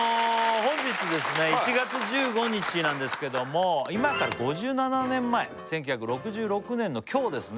本日ですね１月１５日なんですけども今から５７年前１９６６年の今日ですね